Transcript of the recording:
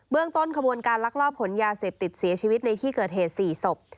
ต้นขบวนการลักลอบขนยาเสพติดเสียชีวิตในที่เกิดเหตุ๔ศพ